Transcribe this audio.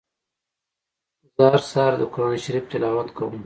زه هر سهار د قرآن شريف تلاوت کوم.